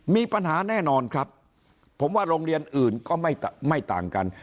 มีปัญหาแน่นอนครับผมว่าโรงเรียนอื่นก็ไม่ต่างกัน